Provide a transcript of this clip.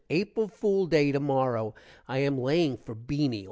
April fool day tomorrow. i am laying for Beany.